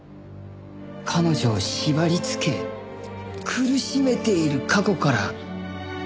彼女を縛りつけ苦しめている過去から。